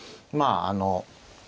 まああの。